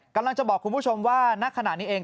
กำลังจะบอกคุณผู้ชมว่าณขณะนี้เอง